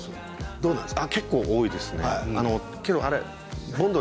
どうなんですか？